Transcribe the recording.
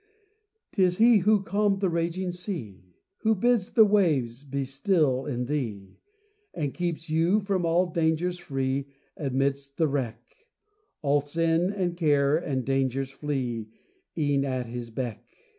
'Tis He who calmed the raging sea, Who bids the waves be still in thee, And keeps you from all dangers free Amidst the wreck; All sin, and care, and dangers flee E'en at His beck.